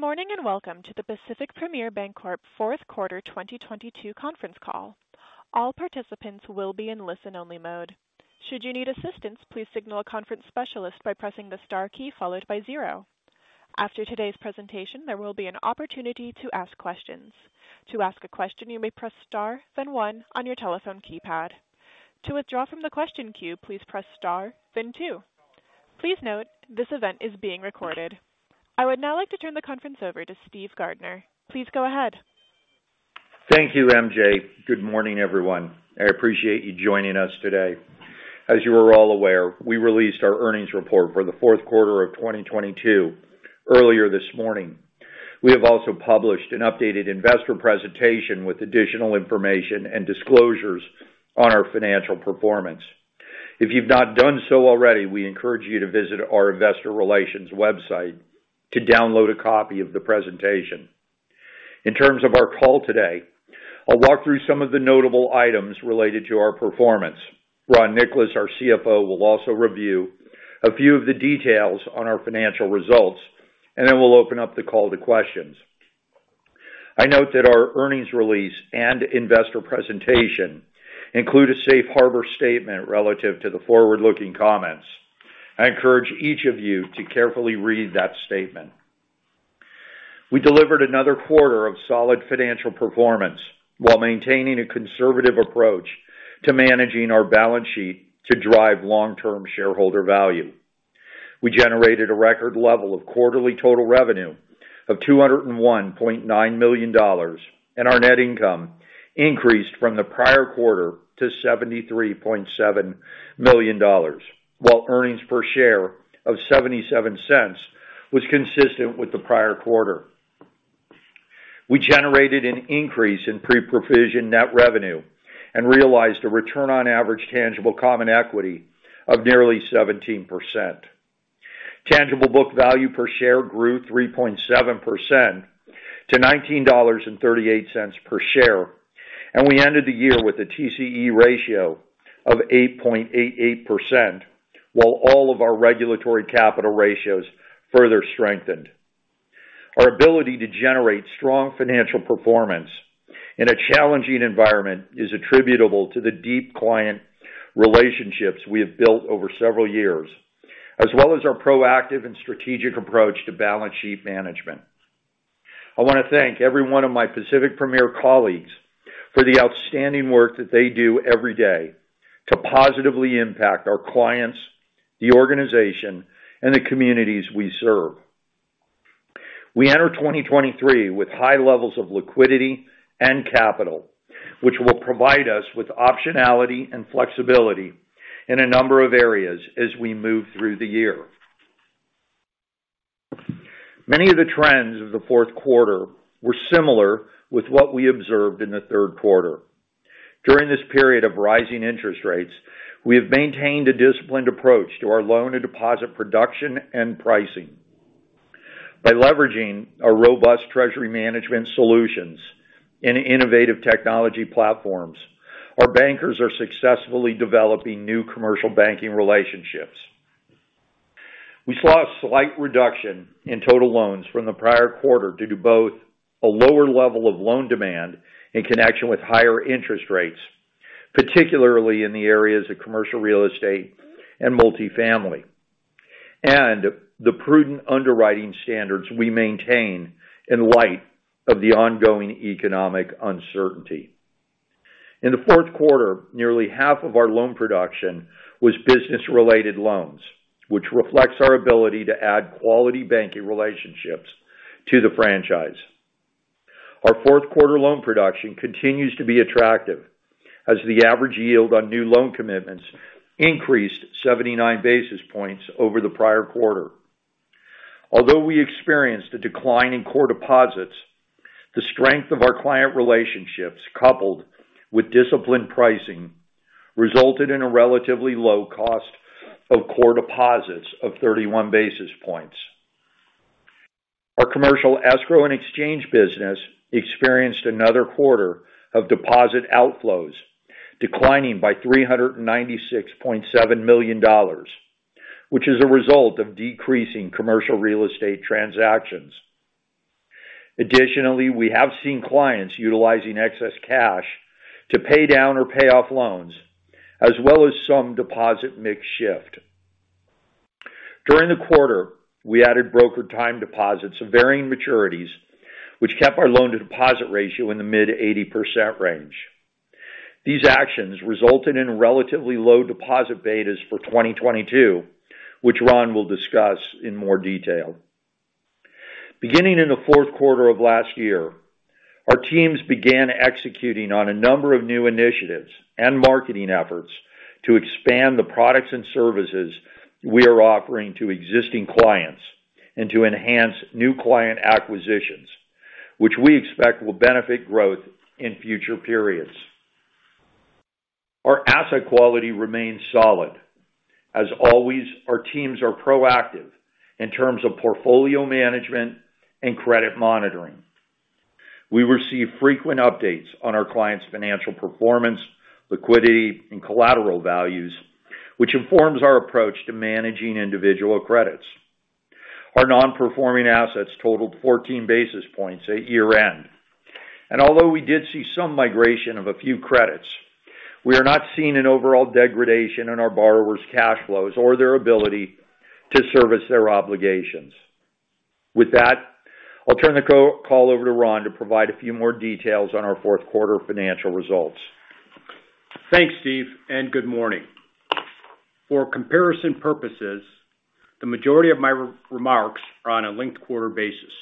Good morning, welcome to the Pacific Premier Bancorp fourth quarter 2022 conference call. All participants will be in listen-only mode. Should you need assistance, please signal a conference specialist by pressing the star key followed by 0. After today's presentation, there will be an opportunity to ask questions. To ask a question, you may press star, then 1 on your telephone keypad. To withdraw from the question queue, please press star, then 2. Please note this event is being recorded. I would now like to turn the conference over to Steve Gardner. Please go ahead. Thank you, MJ. Good morning, everyone. I appreciate you joining us today. As you are all aware, we released our earnings report for the fourth quarter of 2022 earlier this morning. We have also published an updated investor presentation with additional information and disclosures on our financial performance. If you've not done so already, we encourage you to visit our investor relations website to download a copy of the presentation. In terms of our call today, I'll walk through some of the notable items related to our performance. Ron Nicolas, our CFO, will also review a few of the details on our financial results, and then we'll open up the call to questions. I note that our earnings release and investor presentation include a safe harbor statement relative to the forward-looking comments. I encourage each of you to carefully read that statement. We delivered another quarter of solid financial performance while maintaining a conservative approach to managing our balance sheet to drive long-term shareholder value. We generated a record level of quarterly total revenue of $201.9 million, our net income increased from the prior quarter to $73.7 million. While earnings per share of $0.77 was consistent with the prior quarter. We generated an increase in pre-provision net revenue and realized a return on average tangible common equity of nearly 17%. Tangible book value per share grew 3.7% to $19.38 per share. We ended the year with a TCE ratio of 8.88% while all of our regulatory capital ratios further strengthened. Our ability to generate strong financial performance in a challenging environment is attributable to the deep client relationships we have built over several years, as well as our proactive and strategic approach to balance sheet management. I wanna thank every one of my Pacific Premier colleagues for the outstanding work that they do every day to positively impact our clients, the organization, and the communities we serve. We enter 2023 with high levels of liquidity and capital, which will provide us with optionality and flexibility in a number of areas as we move through the year. Many of the trends of the fourth quarter were similar with what we observed in the third quarter. During this period of rising interest rates, we have maintained a disciplined approach to our loan and deposit production and pricing. By leveraging our robust treasury management solutions and innovative technology platforms, our bankers are successfully developing new commercial banking relationships. We saw a slight reduction in total loans from the prior quarter due to both a lower level of loan demand in connection with higher interest rates, particularly in the areas of commercial real estate and multifamily, and the prudent underwriting standards we maintain in light of the ongoing economic uncertainty. In the fourth quarter, nearly half of our loan production was business-related loans, which reflects our ability to add quality banking relationships to the franchise. Our fourth quarter loan production continues to be attractive as the average yield on new loan commitments increased 79 basis points over the prior quarter. Although we experienced a decline in core deposits, the strength of our client relationships, coupled with disciplined pricing, resulted in a relatively low cost of core deposits of 31 basis points. Our commercial escrow and exchange business experienced another quarter of deposit outflows, declining by $396.7 million, which is a result of decreasing commercial real estate transactions. We have seen clients utilizing excess cash to pay down or pay off loans, as well as some deposit mix shift. During the quarter, we added brokered time deposits of varying maturities, which kept our loan-to-deposit ratio in the mid 80% range. These actions resulted in relatively low deposit betas for 2022, which Ron will discuss in more detail. Beginning in the fourth quarter of last year, our teams began executing on a number of new initiatives and marketing efforts to expand the products and services we are offering to existing clients and to enhance new client acquisitions, which we expect will benefit growth in future periods. Our asset quality remains solid. As always, our teams are proactive in terms of portfolio management and credit monitoring. We receive frequent updates on our clients' financial performance, liquidity, and collateral values, which informs our approach to managing individual credits. Our non-performing assets totaled 14 basis points at year-end. Although we did see some migration of a few credits, we are not seeing an overall degradation in our borrowers' cash flows or their ability to service their obligations. With that, I'll turn the call over to Ron to provide a few more details on our fourth quarter financial results. Thanks, Steve. Good morning. For comparison purposes, the majority of my remarks are on a linked quarter basis.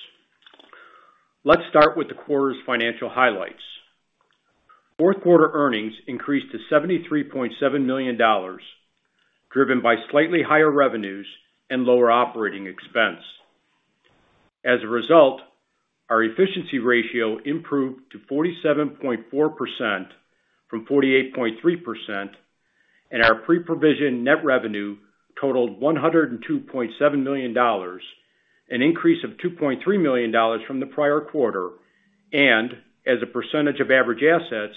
Let's start with the quarter's financial highlights. Fourth quarter earnings increased to $73.7 million, driven by slightly higher revenues and lower operating expense. As a result, our efficiency ratio improved to 47.4% from 48.3%, and our pre-provision net revenue totaled $102.7 million, an increase of $2.3 million from the prior quarter, and as a percentage of average assets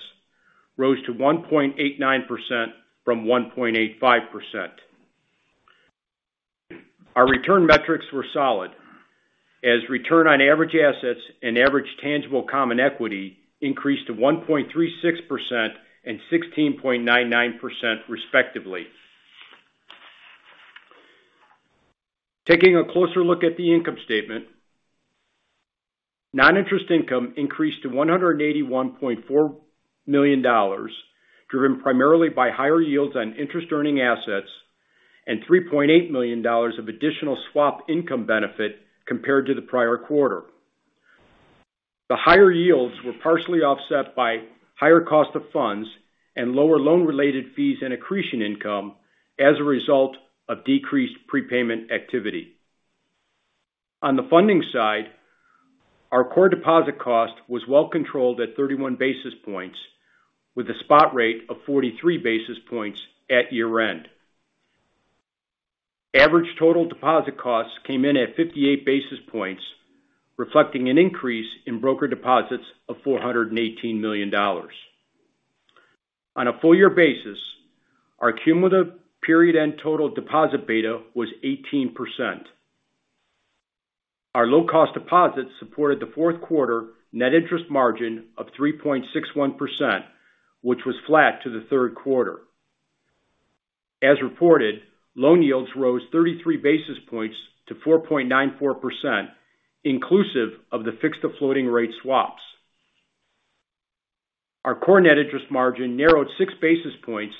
rose to 1.89% from 1.85%. Our return metrics were solid as Return on Average Assets and Average Tangible Common Equity increased to 1.36% and 16.99% respectively. Taking a closer look at the income statement. Non-interest income increased to $181.4 million, driven primarily by higher yields on interest earning assets and $3.8 million of additional swap income benefit compared to the prior quarter. The higher yields were partially offset by higher cost of funds and lower loan-related fees and accretion income as a result of decreased prepayment activity. On the funding side, our core deposit cost was well controlled at 31 basis points, with a spot rate of 43 basis points at year-end. Average total deposit costs came in at 58 basis points, reflecting an increase in broker deposits of $418 million. On a full year basis, our cumulative period-end total deposit beta was 18%. Our low cost deposits supported the fourth quarter net interest margin of 3.61%, which was flat to the third quarter. As reported, loan yields rose 33 basis points to 4.94%, inclusive of the fixed to floating rate swaps. Our core net interest margin narrowed 6 basis points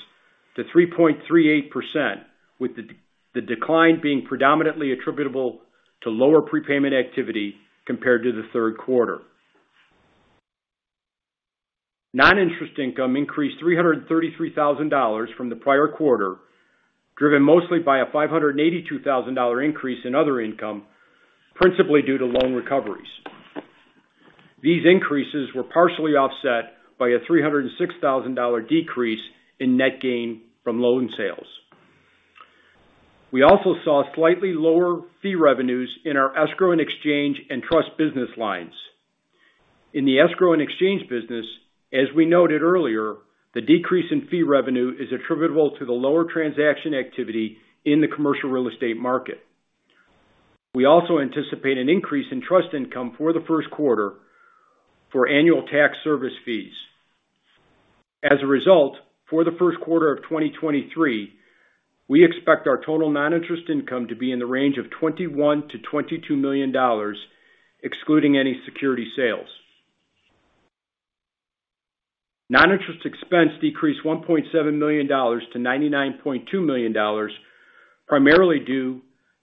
to 3.38%, with the decline being predominantly attributable to lower prepayment activity compared to the third quarter. Non-interest income increased $333,000 from the prior quarter, driven mostly by a $582,000 increase in other income, principally due to loan recoveries. These increases were partially offset by a $306,000 decrease in net gain from loan sales. We also saw slightly lower fee revenues in our escrow and exchange and trust business lines. In the escrow and exchange business, as we noted earlier, the decrease in fee revenue is attributable to the lower transaction activity in the commercial real estate market. We also anticipate an increase in trust income for the first quarter for annual tax service fees. As a result, for the first quarter of 2023, we expect our total non-interest income to be in the range of $21 million-$22 million, excluding any security sales. Non-interest expense decreased $1.7 million to $99.2 million, primarily due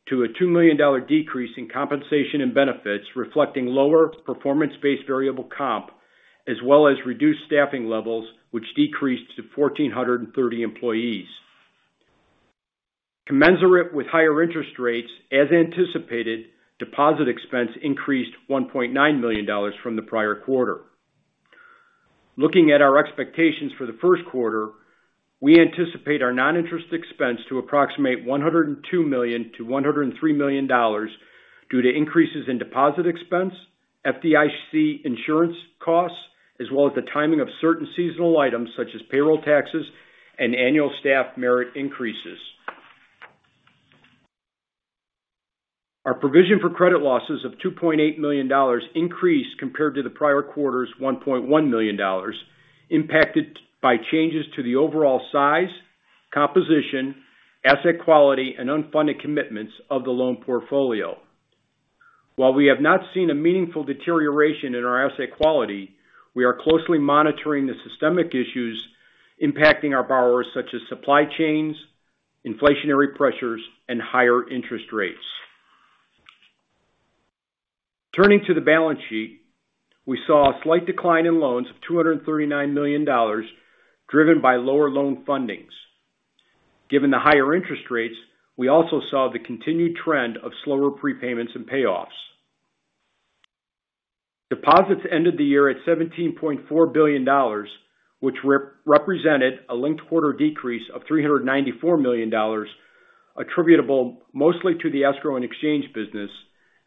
to a $2 million decrease in compensation and benefits, reflecting lower performance-based variable comp as well as reduced staffing levels, which decreased to 1,430 employees. Commensurate with higher interest rates, as anticipated, deposit expense increased $1.9 million from the prior quarter. Looking at our expectations for the first quarter, we anticipate our non-interest expense to approximate $102 million-$103 million due to increases in deposit expense, FDIC insurance costs, as well as the timing of certain seasonal items such as payroll taxes and annual staff merit increases. Our provision for credit losses of $2.8 million increased compared to the prior quarter's $1.1 million impacted by changes to the overall size, composition, asset quality, and unfunded commitments of the loan portfolio. While we have not seen a meaningful deterioration in our asset quality, we are closely monitoring the systemic issues impacting our borrowers, such as supply chains, inflationary pressures, and higher interest rates. Turning to the balance sheet, we saw a slight decline in loans of $239 million, driven by lower loan fundings. Given the higher interest rates, we also saw the continued trend of slower prepayments and payoffs. Deposits ended the year at $17.4 billion, which represented a linked quarter decrease of $394 million. Attributable mostly to the escrow and exchange business,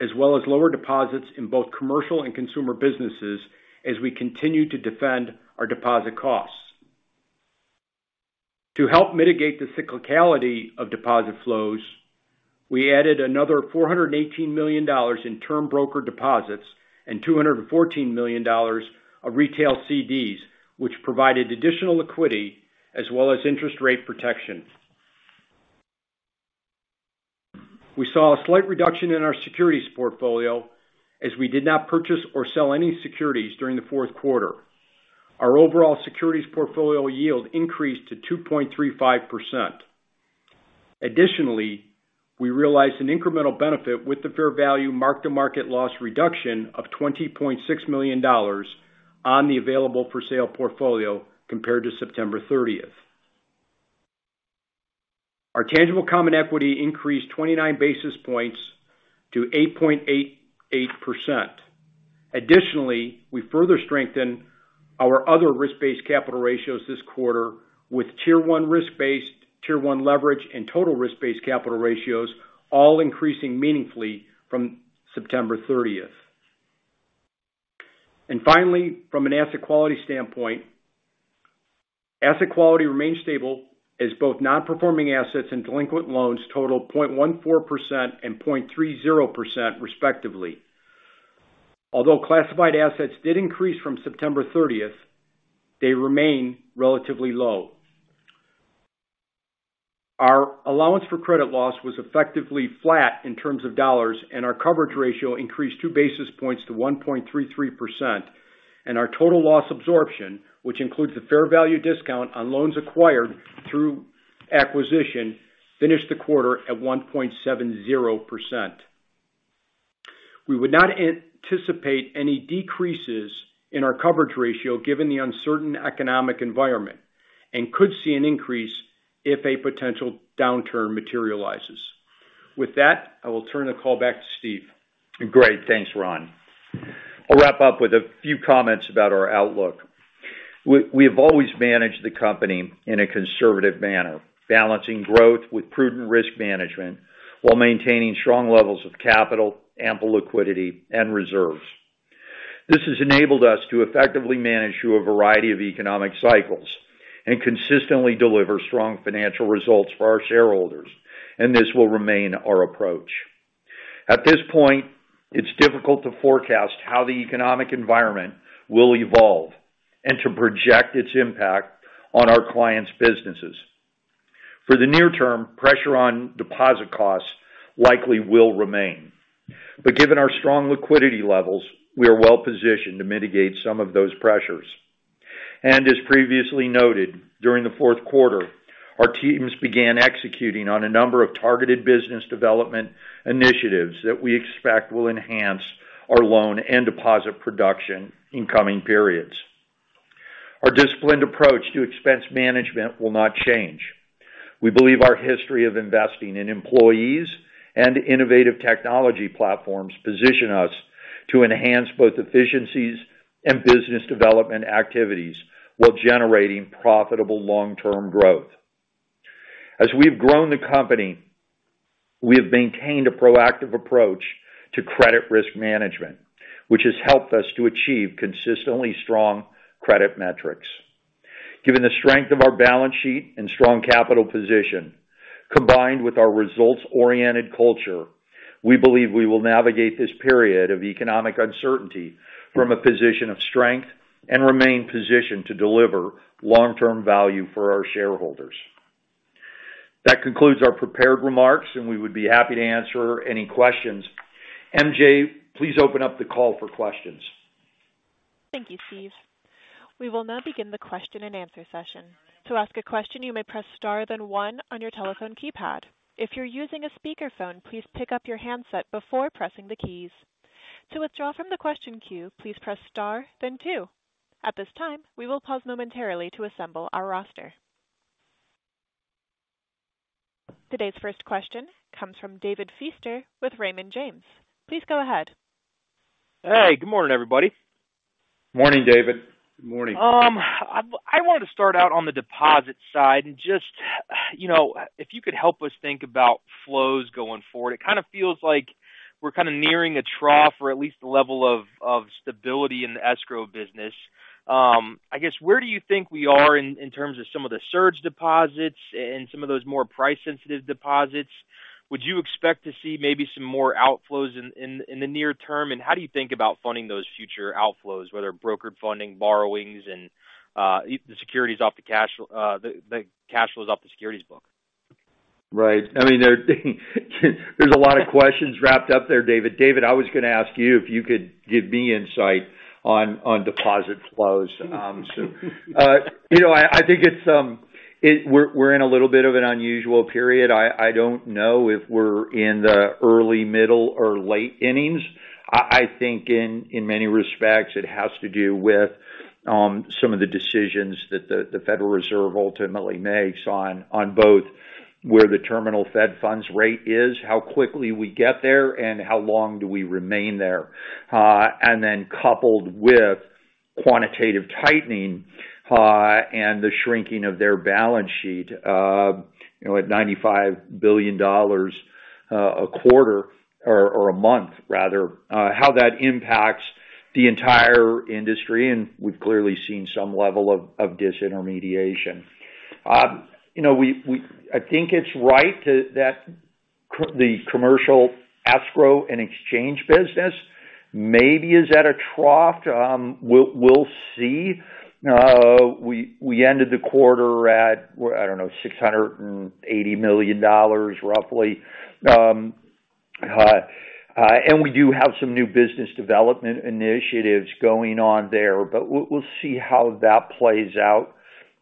as well as lower deposits in both commercial and consumer businesses as we continue to defend our deposit costs. To help mitigate the cyclicality of deposit flows, we added another $418 million in term broker deposits and $214 million of retail CDs, which provided additional liquidity as well as interest rate protection. We saw a slight reduction in our securities portfolio as we did not purchase or sell any securities during the fourth quarter. Our overall securities portfolio yield increased to 2.35%. Additionally, we realized an incremental benefit with the fair value mark-to-market loss reduction of $20.6 million on the available for sale portfolio compared to September 30th. Our tangible common equity increased 29 basis points to 8.88%. Additionally, we further strengthened our other risk-based capital ratios this quarter with Tier 1 risk-based, Tier 1 leverage, and total risk-based capital ratios all increasing meaningfully from September 30th. Finally, from an asset quality standpoint, asset quality remained stable as both non-performing assets and delinquent loans totaled 0.14% and 0.30% respectively. Although classified assets did increase from September 30th, they remain relatively low. Our allowance for credit losses was effectively flat in terms of dollars, and our coverage ratio increased 2 basis points to 1.33%. Our Total Loss-Absorbing Capacity, which includes the fair value discount on loans acquired through acquisition, finished the quarter at 1.70%. We would not anticipate any decreases in our coverage ratio given the uncertain economic environment and could see an increase if a potential downturn materializes. With that, I will turn the call back to Steve. Great. Thanks, Ron. I'll wrap up with a few comments about our outlook. We have always managed the company in a conservative manner, balancing growth with prudent risk management while maintaining strong levels of capital, ample liquidity, and reserves. This has enabled us to effectively manage through a variety of economic cycles and consistently deliver strong financial results for our shareholders. This will remain our approach. At this point, it's difficult to forecast how the economic environment will evolve and to project its impact on our clients' businesses. For the near term, pressure on deposit costs likely will remain. Given our strong liquidity levels, we are well positioned to mitigate some of those pressures. As previously noted, during the fourth quarter, our teams began executing on a number of targeted business development initiatives that we expect will enhance our loan and deposit production in coming periods. Our disciplined approach to expense management will not change. We believe our history of investing in employees and innovative technology platforms position us to enhance both efficiencies and business development activities while generating profitable long-term growth. As we've grown the company, we have maintained a proactive approach to credit risk management, which has helped us to achieve consistently strong credit metrics. Given the strength of our balance sheet and strong capital position, combined with our results-oriented culture, we believe we will navigate this period of economic uncertainty from a position of strength and remain positioned to deliver long-term value for our shareholders. That concludes our prepared remarks, and we would be happy to answer any questions. MJ, please open up the call for questions. Thank you, Steve. We will now begin the question-and-answer session. To ask a question, you may press star, then one on your telephone keypad. If you're using a speakerphone, please pick up your handset before pressing the keys. To withdraw from the question queue, please press star, then two. At this time, we will pause momentarily to assemble our roster. Today's first question comes from David Feaster with Raymond James. Please go ahead. Hey, good morning, everybody. Morning, David. Good morning. I wanted to start out on the deposit side and just, you know, if you could help us think about flows going forward. It kind of feels like we're kind of nearing a trough or at least a level of stability in the escrow business. I guess, where do you think we are in terms of some of the surge deposits and some of those more price-sensitive deposits? Would you expect to see maybe some more outflows in the near term? How do you think about funding those future outflows, whether brokered funding, borrowings, and the securities off the cash flows off the securities book? Right. I mean, there's a lot of questions wrapped up there, David. David, I was gonna ask you if you could give me insight on deposit flows. You know, I think it's, we're in a little bit of an unusual period. I don't know if we're in the early, middle, or late innings. I think in many respects, it has to do with some of the decisions that the Federal Reserve ultimately makes on both where the terminal Federal funds rate is, how quickly we get there, and how long do we remain there. Coupled with quantitative tightening, and the shrinking of their balance sheet, you know, at $95 billion. A quarter or a month rather, how that impacts the entire industry, and we've clearly seen some level of disintermediation. You know, we I think it's right that the commercial escrow and exchange business maybe is at a trough. We'll see. We ended the quarter at, well, I don't know, $680 million roughly. And we do have some new business development initiatives going on there. We'll see how that plays out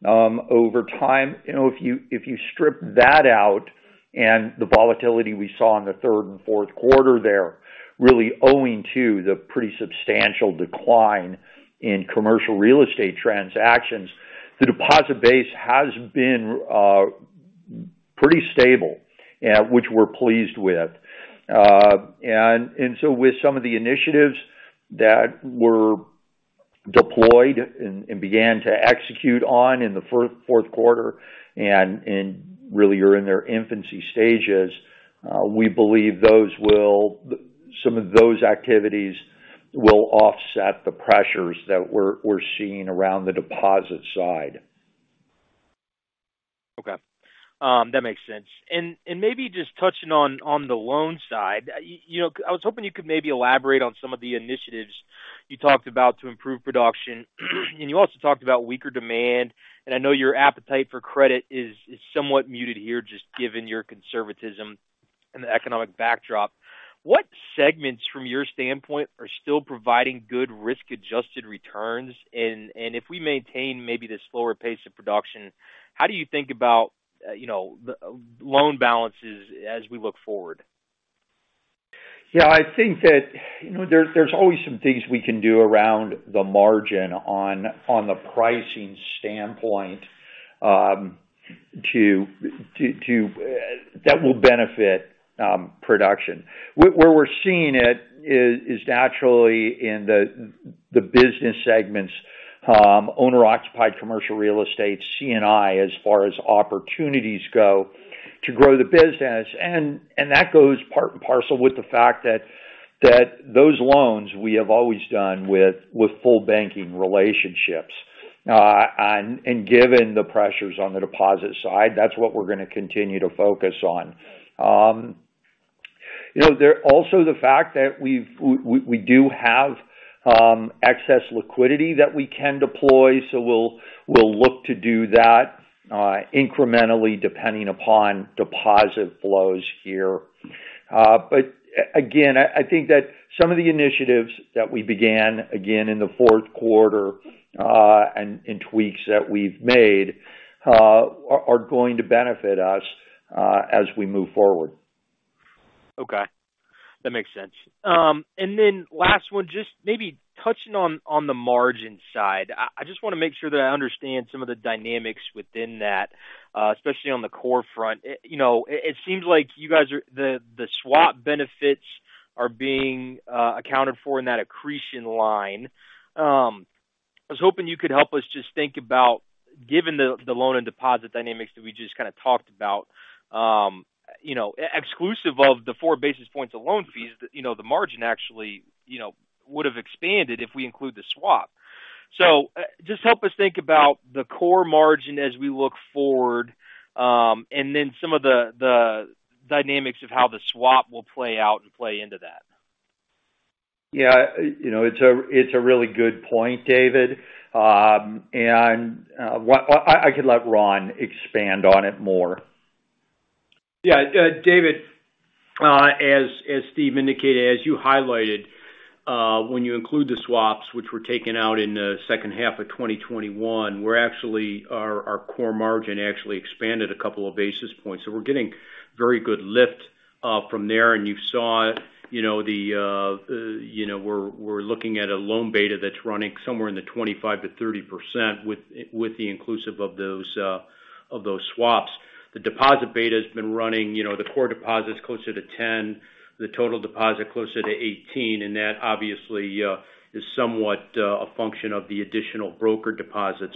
over time. You know, if you strip that out and the volatility we saw in the third and fourth quarter there, really owing to the pretty substantial decline in commercial real estate transactions, the deposit base has been pretty stable, which we're pleased with. With some of the initiatives that were deployed and began to execute on in the fourth quarter and really are in their infancy stages, we believe some of those activities will offset the pressures that we're seeing around the deposit side. That makes sense. You know, I was hoping you could maybe elaborate on some of the initiatives you talked about to improve production. You also talked about weaker demand. I know your appetite for credit is somewhat muted here, just given your conservatism and the economic backdrop. What segments from your standpoint are still providing good risk-adjusted returns? If we maintain maybe the slower pace of production, how do you think about, you know, loan balances as we look forward? Yeah, I think that, you know, there's always some things we can do around the margin on the pricing standpoint. That will benefit production. Where, where we're seeing it is naturally in the business segments, owner-occupied commercial real estate, C&I, as far as opportunities go to grow the business. That goes part and parcel with the fact that those loans we have always done with full banking relationships. Given the pressures on the deposit side, that's what we're gonna continue to focus on. You know, also the fact that we do have excess liquidity that we can deploy, so we'll look to do that incrementally depending upon deposit flows here. Again, I think that some of the initiatives that we began, again, in the fourth quarter, and tweaks that we've made, are going to benefit us as we move forward. Okay. That makes sense. Then last one, just maybe touching on the margin side. I just wanna make sure that I understand some of the dynamics within that, especially on the core front. You know, it seems like you guys are the swap benefits are being accounted for in that accretion line. I was hoping you could help us just think about, given the loan and deposit dynamics that we just kind of talked about, you know, exclusive of the 4 basis points of loan fees, you know, the margin actually would've expanded if we include the swap. Just help us think about the core margin as we look forward, and then some of the dynamics of how the swap will play out and play into that. Yeah. You know, it's a really good point, David. I could let Ron expand on it more. David, as Steve indicated, as you highlighted, when you include the swaps which were taken out in the second half of 2021, our core margin actually expanded a couple of basis points. We're getting very good lift from there. You saw, you know, we're looking at a loan beta that's running somewhere in the 25%-30% with the inclusive of those swaps. The deposit beta has been running, you know, the core deposit's closer to 10, the total deposit closer to 18, that obviously is somewhat a function of the additional broker deposits.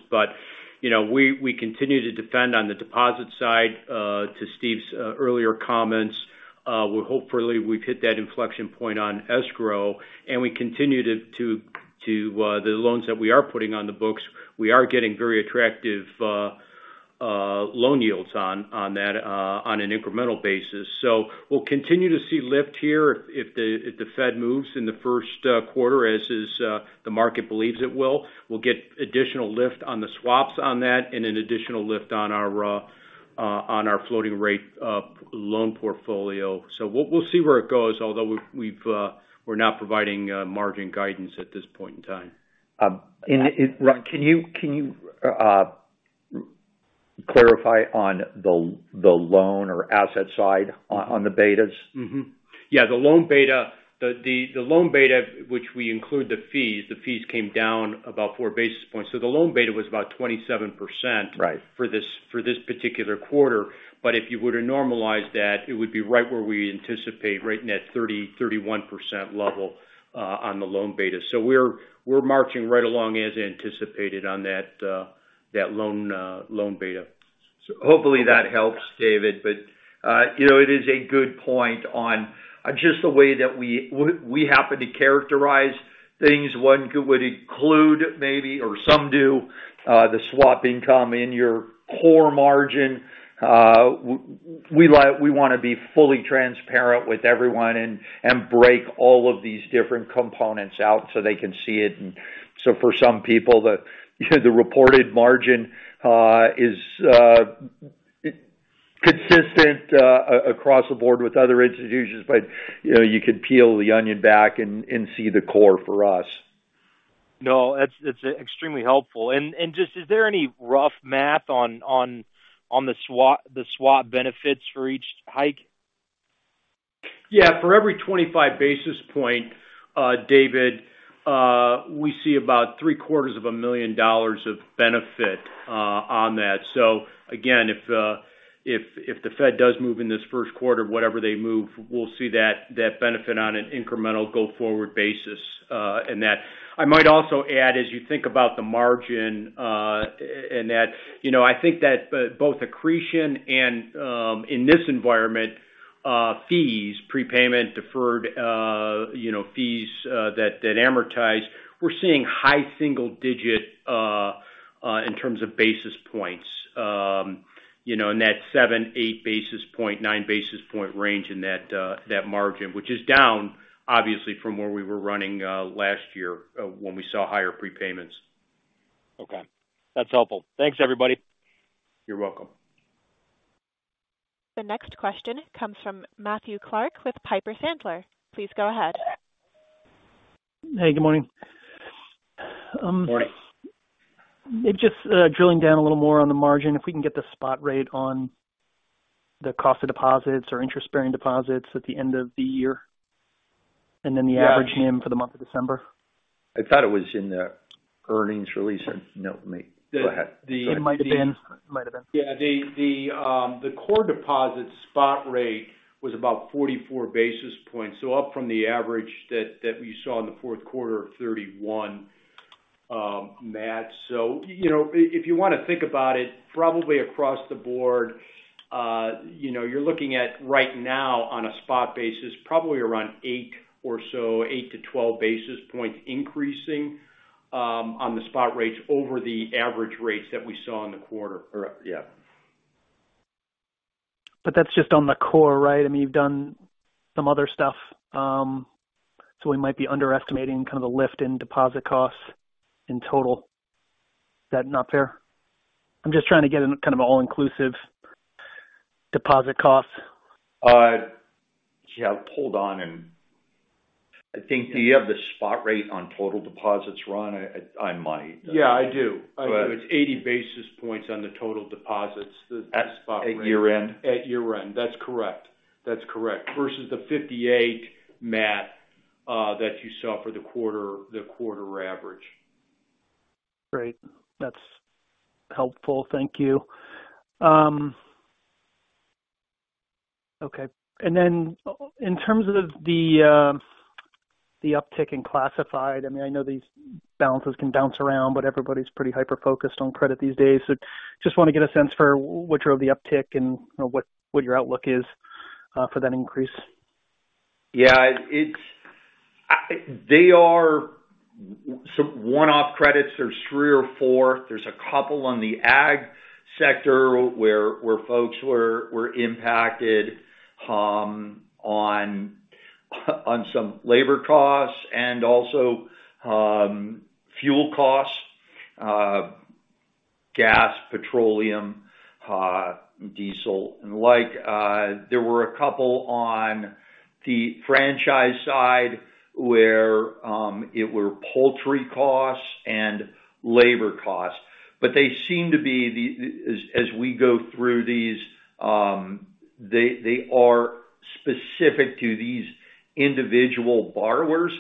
You know, we continue to defend on the deposit side to Steve's earlier comments. We're hopefully we've hit that inflection point on escrow. We continue to the loans that we are putting on the books, we are getting very attractive loan yields on that on an incremental basis. We'll continue to see lift here if the Fed moves in the first quarter as the market believes it will. We'll get additional lift on the swaps on that and an additional lift on our floating rate loan portfolio. We'll see where it goes, although we're not providing margin guidance at this point in time. Ron, clarify on the loan or asset side on the betas? Mm-hmm. Yeah, the loan beta, which we include the fees came down about 4 basis points. The loan beta was about 27%. Right... for this particular quarter. If you were to normalize that, it would be right where we anticipate, right in that 30%-31% level on the loan beta. We're marching right along as anticipated on that loan beta. Hopefully that helps, David. You know, it is a good point on just the way that we happen to characterize things. Would include maybe or some do, the swap income in your core margin. We wanna be fully transparent with everyone and break all of these different components out so they can see it. For some people, the reported margin is consistent across the board with other institutions. You know, you could peel the onion back and see the core for us. No, it's extremely helpful. Just, is there any rough math on the swap benefits for each hike? Yeah. For every 25 basis point, David, we see about three-quarters of a million dollars of benefit on that. Again, if the Fed does move in this first quarter, whatever they move, we'll see that benefit on an incremental go forward basis. I might also add, as you think about the margin, and that, you know, I think that both accretion and in this environment, fees, prepayment, deferred, you know, fees that amortize, we're seeing high single digit in terms of basis points, you know, in that 7, 8 basis point, 9 basis point range in that margin. Which is down obviously from where we were running last year when we saw higher prepayments. Okay. That's helpful. Thanks, everybody. You're welcome. The next question comes from Matthew Clark with Piper Sandler. Please go ahead. Hey, good morning. Morning. Just drilling down a little more on the margin, if we can get the spot rate on the cost of deposits or interest-bearing deposits at the end of the year? Yeah. The average NIM for the month of December. I thought it was in the earnings release. No, maybe. Go ahead, sorry. It might've been. It might've been. Yeah. The core deposit spot rate was about 44 basis points, up from the average that we saw in the fourth quarter of 31, Matt. You know, if you wanna think about it probably across the board, you know, you're looking at right now on a spot basis, probably around 8 or so, 8-12 basis points increasing on the spot rates over the average rates that we saw in the quarter or, yeah. That's just on the core, right? I mean, you've done some other stuff, we might be underestimating kind of the lift in deposit costs in total. Is that not fair? I'm just trying to get a kind of all-inclusive deposit cost. Yeah. Hold on. I think do you have the spot rate on total deposits, Ron? I might- Yeah, I do. I do. Go ahead. It's 80 basis points on the total deposits, the spot rate. At year-end? At year-end. That's correct. That's correct. Versus the 58, Matt, that you saw for the quarter, the quarter average. Great. That's helpful. Thank you. Okay. In terms of the uptick in classified, I mean, I know these balances can bounce around, but everybody's pretty hyper-focused on credit these days. Just wanna get a sense for which are the uptick and what your outlook is for that increase. Yeah. They are one-off credits. There's 3 or 4. There's a couple on the ag sector where folks were impacted on some labor costs and also fuel costs, gas, petroleum, diesel. Like, there were a couple on the franchise side where it were poultry costs and labor costs. They seem to be as we go through these, they are specific to these individual borrowers.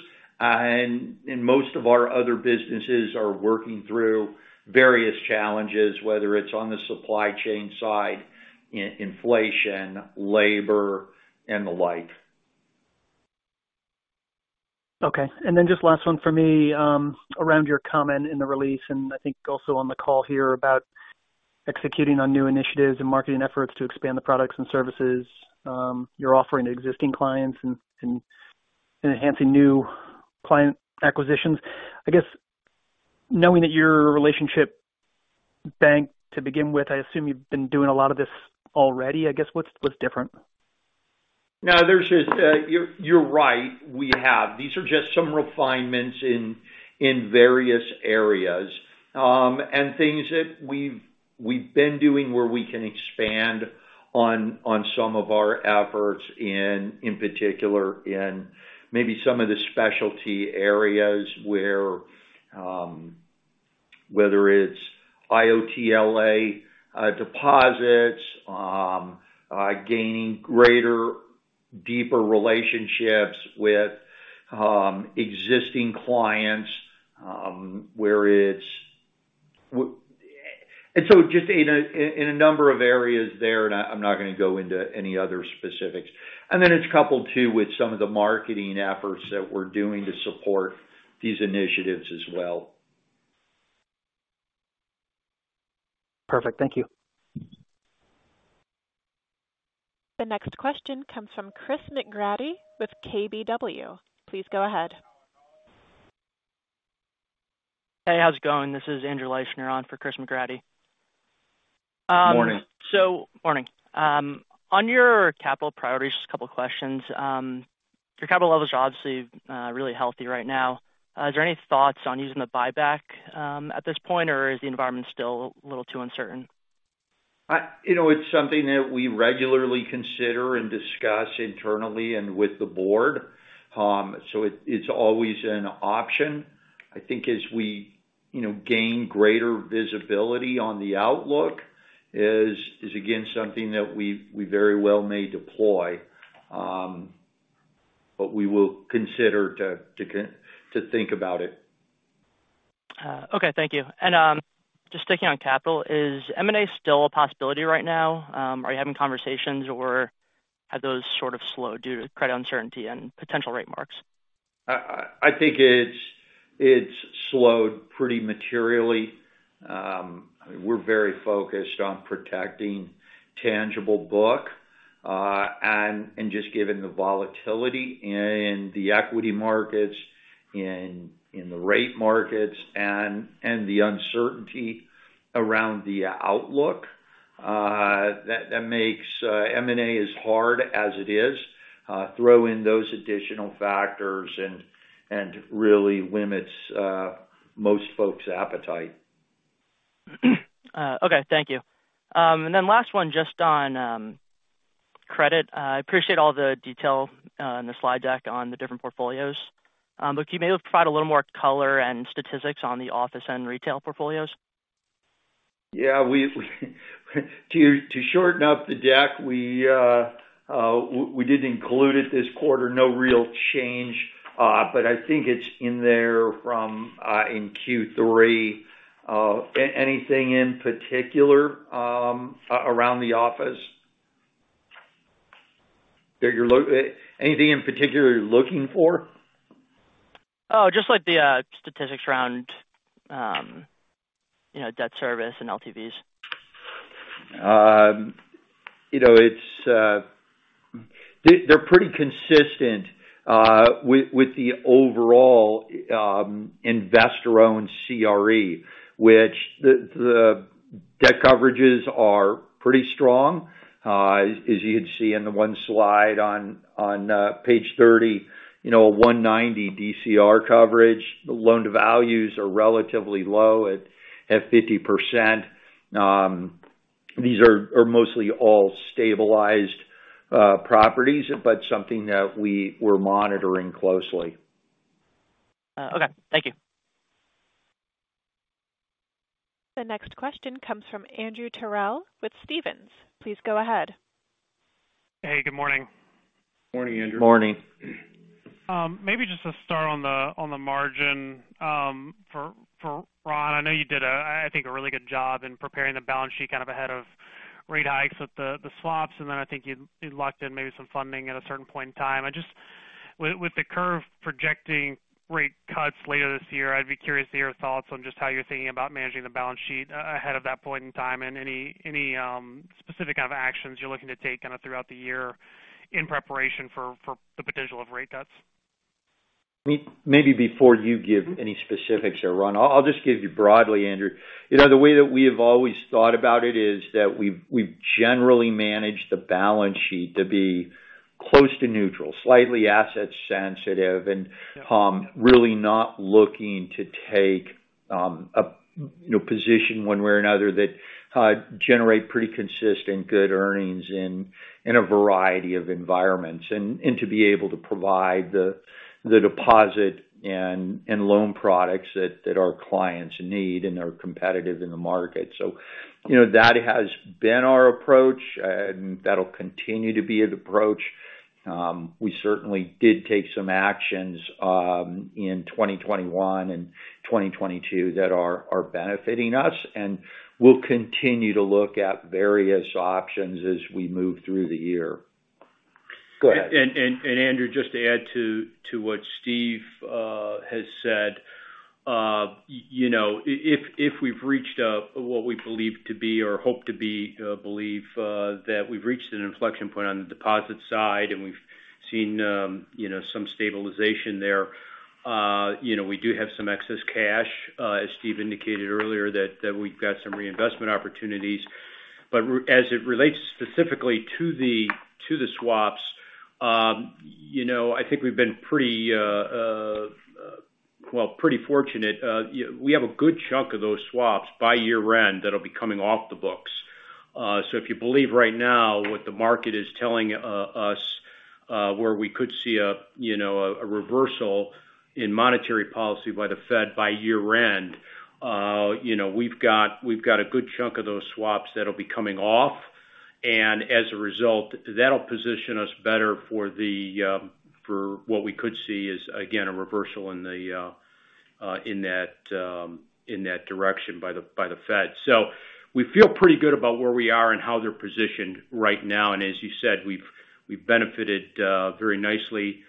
Most of our other businesses are working through various challenges, whether it's on the supply chain side, inflation, labor and the like. Okay. Just last one for me, around your comment in the release, and I think also on the call here about executing on new initiatives and marketing efforts to expand the products and services, you're offering to existing clients and enhancing new client acquisitions. I guess knowing that you're a relationship bank to begin with, I assume you've been doing a lot of this already. I guess, what's different? No, there's just. You're right, we have. These are just some refinements in various areas, and things that we've been doing where we can expand on some of our efforts in particular in maybe some of the specialty areas where, whether it's IOLTA deposits, gaining greater, deeper relationships with existing clients, where it's. Just in a number of areas there, and I'm not gonna go into any other specifics. Then it's coupled too with some of the marketing efforts that we're doing to support these initiatives as well. Perfect. Thank you. The next question comes from Christopher McGratty with KBW. Please go ahead. Hey, how's it going? This is Andrew Leischner on for Christopher McGratty. Good morning. Morning. On your capital priorities, just a couple questions. Your capital levels are obviously really healthy right now. Is there any thoughts on using the buyback at this point, or is the environment still a little too uncertain? You know, it's something that we regularly consider and discuss internally and with the board. It's always an option. I think as we, you know, gain greater visibility on the outlook is again, something that we very well may deploy, we will consider to think about it. Okay, thank you. Just sticking on capital, is M&A still a possibility right now? Are you having conversations or have those sort of slowed due to credit uncertainty and potential rate marks? I think it's slowed pretty materially. We're very focused on protecting tangible book, and just given the volatility in the equity markets, in the rate markets and the uncertainty around the outlook, that makes M&A as hard as it is, throw in those additional factors and really limits most folks' appetite. Okay, thank you. Last one just on credit. I appreciate all the detail in the slide deck on the different portfolios. Can you be able to provide a little more color and statistics on the office and retail portfolios? Yeah, we to shorten up the deck, we didn't include it this quarter. No real change, I think it's in there from in Q3. Anything in particular around the office? Anything in particular you're looking for? Just like the statistics around, you know, debt service and LTVs. You know, it's they're pretty consistent with the overall investor-owned CRE, which the debt coverages are pretty strong. As you'd see in the one slide on page 30. You know, 190 DCR coverage. The loan to values are relatively low at 50%. These are mostly all stabilized properties, but something that we were monitoring closely. Okay. Thank you. The next question comes from Andrew Terrell with Stephens. Please go ahead. Hey, good morning. Morning, Andrew. Morning. Maybe just to start on the margin for Ron. I know you did a, I think, a really good job in preparing the balance sheet kind of ahead of rate hikes with the swaps. Then I think you locked in maybe some funding at a certain point in time. With the curve projecting rate cuts later this year, I'd be curious to hear your thoughts on just how you're thinking about managing the balance sheet ahead of that point in time and any specific kind of actions you're looking to take kind of throughout the year in preparation for the potential of rate cuts. Maybe before you give any specifics there, Ron. I'll just give you broadly, Andrew. You know, the way that we have always thought about it is that we've generally managed the balance sheet to be close to neutral, slightly asset sensitive. Yeah. Really not looking to take, you know, a position one way or another that generate pretty consistent good earnings in a variety of environments and to be able to provide the deposit and loan products that our clients need and are competitive in the market. You know, that has been our approach, and that'll continue to be the approach. We certainly did take some actions in 2021 and 2022 that are benefiting us, and we'll continue to look at various options as we move through the year. Go ahead. Andrew, just to add to what Steve has said. You know, if we've reached a, what we believe to be or hope to be, belief that we've reached an inflection point on the deposit side, and we've seen, you know, some stabilization there, you know, we do have some excess cash, as Steve indicated earlier that we've got some reinvestment opportunities. As it relates specifically to the swaps, you know, I think we've been pretty, well, pretty fortunate. We have a good chunk of those swaps by year-end that'll be coming off the books. If you believe right now what the market is telling us, where we could see a, you know, a reversal in monetary policy by the Fed by year-end, you know, we've got a good chunk of those swaps that'll be coming off. As a result, that'll position us better for what we could see is, again, a reversal in that direction by the Fed. We feel pretty good about where we are and how they're positioned right now. As you said, we've benefited very nicely.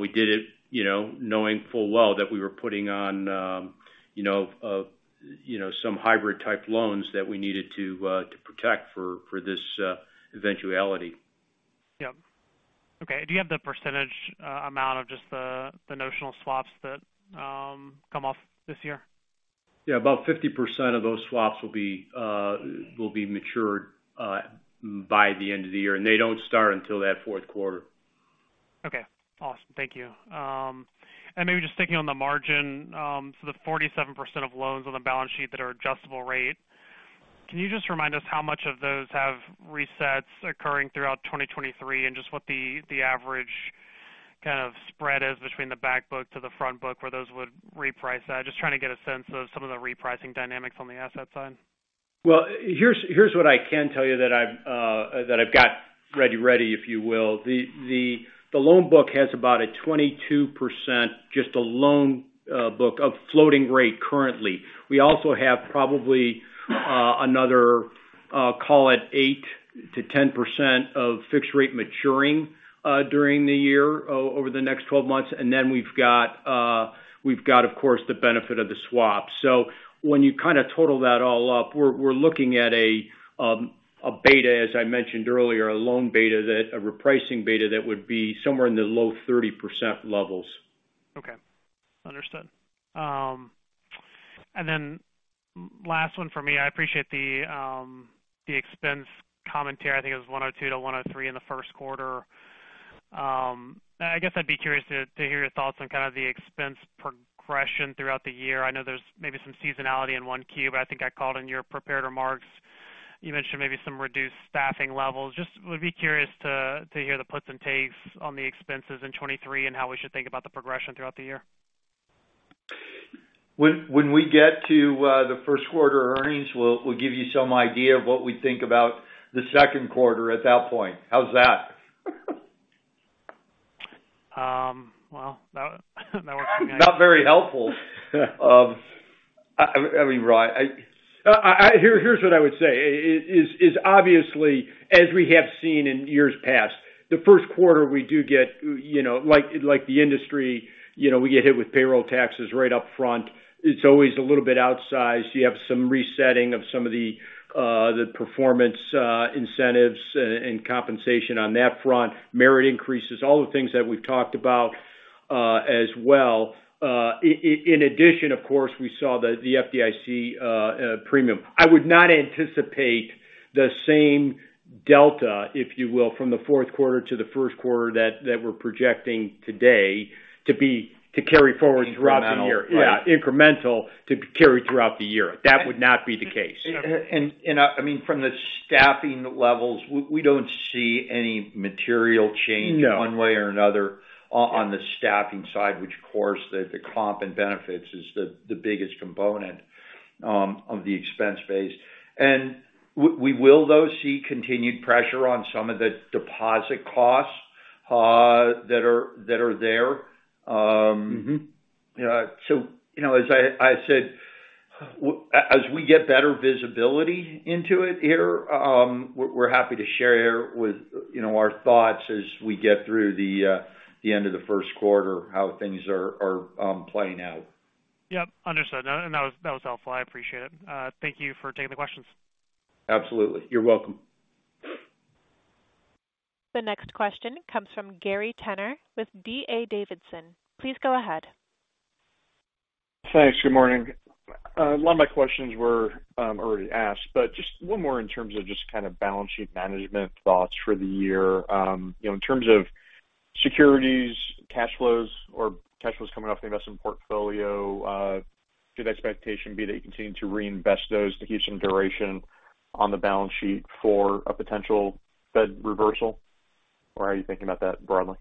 We did it, you know, knowing full well that we were putting on, you know, some hybrid type loans that we needed to protect for this eventuality. Yep. Okay. Do you have the percentage amount of just the notional swaps that come off this year? Yeah, about 50% of those swaps will be matured by the end of the year, and they don't start until that fourth quarter. Okay. Awesome. Thank you. Maybe just sticking on the margin, so the 47% of loans on the balance sheet that are adjustable rate, can you just remind us how much of those have resets occurring throughout 2023 and just what the average kind of spread is between the back book to the front book where those would reprice that? Just trying to get a sense of some of the repricing dynamics on the asset side. Well, here's what I can tell you that I've got ready, if you will. The loan book has about a 22% just a loan book of floating rate currently. We also have probably another call it 8%-10% of fixed rate maturing during the year over the next 12 months. Then we've got, of course, the benefit of the swap. When you kind of total that all up, we're looking at a beta, as I mentioned earlier, a loan beta a repricing beta that would be somewhere in the low 30% levels. Okay. Understood. Last one for me. I appreciate the expense commentary. I think it was 102 to 103 in the first quarter. I guess I'd be curious to hear your thoughts on kind of the expense progression throughout the year. I know there's maybe some seasonality in 1Q, but I think I called in your prepared remarks. You mentioned maybe some reduced staffing levels. Just would be curious to hear the puts and takes on the expenses in 2023 and how we should think about the progression throughout the year. When we get to the first quarter earnings, we'll give you some idea of what we think about the second quarter at that point. How's that? Well, that works for me. Not very helpful. I mean, Roy, here's what I would say. It is obviously as we have seen in years past, the first quarter we do get, you know, like the industry, you know, we get hit with payroll taxes right up front. It's always a little bit outsized. You have some resetting of some of the performance incentives and compensation on that front, merit increases, all the things that we've talked about as well. In addition, of course, we saw the FDIC premium. I would not anticipate the same delta, if you will, from the fourth quarter to the first quarter that we're projecting today to carry forward throughout the year. Incremental. Yeah, incremental to carry throughout the year. That would not be the case. I mean, from the staffing levels, we don't see any material change one way or another on the staffing side which, of course, the comp and benefits is the biggest component of the expense base. We will, though, see continued pressure on some of the deposit costs that are there. So, you know, as I said, as we get better visibility into it here, we're happy to share with, you know, our thoughts as we get through the end of the first quarter, how things are playing out. Yep, understood. That was helpful. I appreciate it. Thank you for taking the questions. Absolutely. You're welcome. The next question comes from Gary Tenner with D.A. Davidson. Please go ahead. Thanks. Good morning. A lot of my questions were already asked, but just one more in terms of just kind of balance sheet management thoughts for the year. You know, in terms of securities, cash flows or cash flows coming off the investment portfolio, should the expectation be that you continue to reinvest those to keep some duration on the balance sheet for a potential Fed reversal? How are you thinking about that broadly?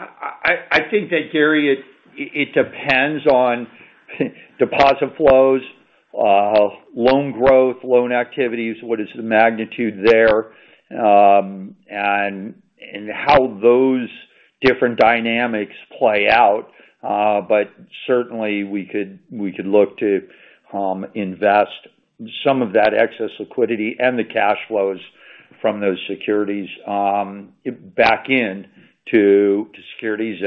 I think that, Gary, it depends on deposit flows, loan growth, loan activities, what is the magnitude there, and how those different dynamics play out. Certainly we could look to invest some of that excess liquidity and the cash flows from those securities back in to securities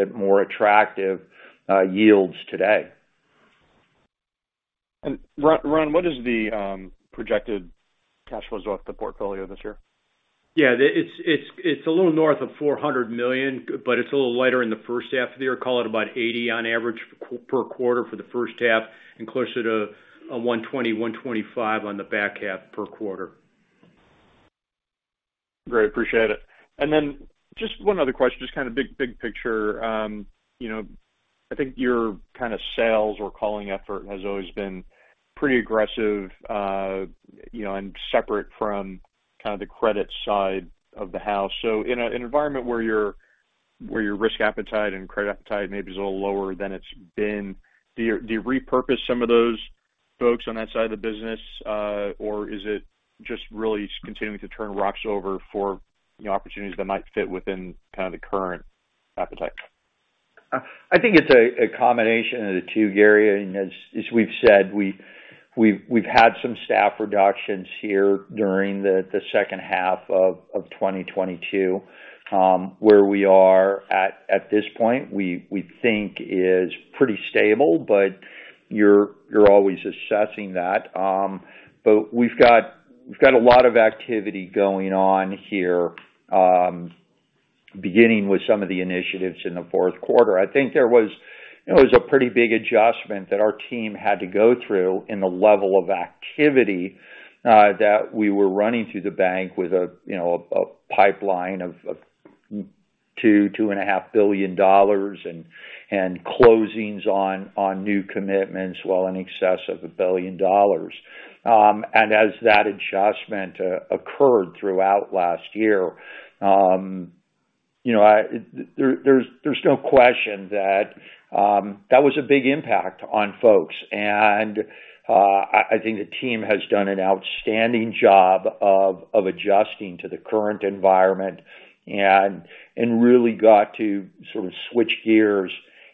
at more attractive yields today. Ron, what is the projected cash flows off the portfolio this year? Yeah. It's a little north of $400 million. It's a little lighter in the first half of the year. Call it about 80 on average per quarter for the first half and closer to 120-125 on the back half per quarter. Great. Appreciate it. Just one other question, just kind of big, big picture. you know, I think your kind of sales or calling effort has always been pretty aggressive, you know, and separate from kind of the credit side of the house. In an environment where your risk appetite and credit appetite maybe is a little lower than it's been, do you repurpose some of those folks on that side of the business, or is it just really continuing to turn rocks over for, you know, opportunities that might fit within kind of the current appetite? I think it's a combination of the two, Gary. As we've said, we've had some staff reductions here during the second half of 2022. Where we are at this point, we think is pretty stable, but you're always assessing that. We've got a lot of activity going on here, beginning with some of the initiatives in the fourth quarter. I think there was, you know, it was a pretty big adjustment that our team had to go through in the level of activity that we were running through the bank with a, you know, a pipeline of $2.5 billion and closings on new commitments well in excess of $1 billion. As that adjustment occurred throughout last year, you know, there's no question that that was a big impact on folks. I think the team has done an outstanding job of adjusting to the current environment and really got to sort of switch gears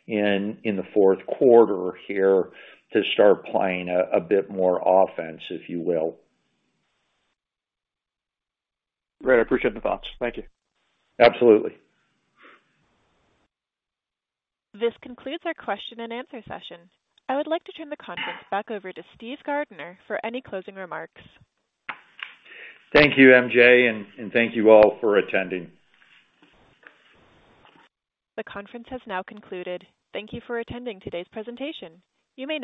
in the fourth quarter here to start playing a bit more offense, if you will. Great. I appreciate the thoughts. Thank you. Absolutely. This concludes our question-and-answer session. I would like to turn the conference back over to Steve Gardner for any closing remarks. Thank you, MJ, and thank you all for attending. The conference has now concluded. Thank you for attending today's presentation. You may now disconnect.